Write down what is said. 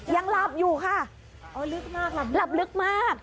ยังหลับอยู่ค่ะหลับลึกมากค่ะอ๋อลึกมาก